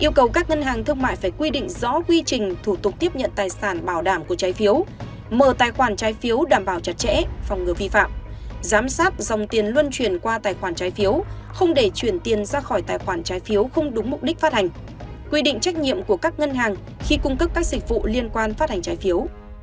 yêu cầu các ngân hàng thương mại phải quy định rõ quy trình thủ tục tiếp nhận tài sản bảo đảm của trái phiếu mở tài khoản trái phiếu đảm bảo chặt chẽ phòng ngừa vi phạm giám sát dòng tiền luân chuyển qua tài khoản trái phiếu không để chuyển tiền ra khỏi tài khoản trái phiếu không đúng mục đích phát hành quy định trách nhiệm của các ngân hàng khi cung cấp các dịch vụ liên quan phát hành trái phiếu